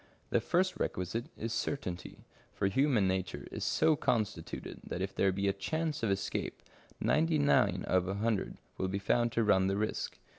The first requisite is certainty, for human nature is so constituted that if there be a chance of escape, ninety nine out of a hundred will be found to run the risk.